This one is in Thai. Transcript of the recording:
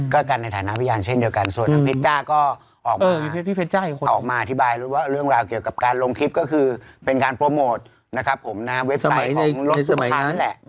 ก็กันในฐานะพยานเช่นเดียวกันส่วนอเพชจ้าก็ออกมาอธิบายว่าเรื่องราวเกี่ยวกับการลงคลิปก็คือเป็นการโปรโมทนะครับผมนะฮะเว็บไซต์ของรถเสื้อผ้านั่นแหละ